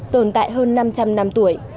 tồn tại hơn năm trăm linh năm tuổi